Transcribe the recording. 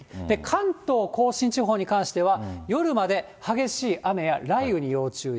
関東甲信地方に関しては、夜まで激しい雨や雷雨に要注意。